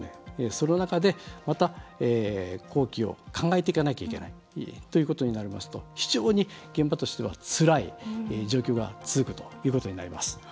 その中で、また工期を考えていかなきゃいけないということになりますと非常に現場としてはつらい状況が続くということになります。